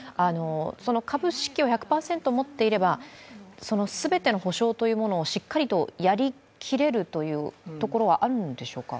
その株式を１００％持っていれば、全ての補償をしっかりとやりきれるところはあるんでしょうか？